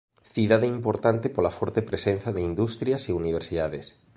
Cidade importante pola forte presenza de industrias e universidades.